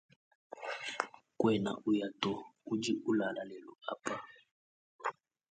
Kuena uya to udi ulala lelu apa.